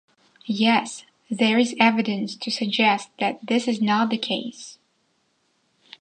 Yet, there is evidence to suggest that this is not the case.